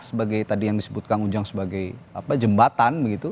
sebagai tadi yang disebut kang ujang sebagai jembatan begitu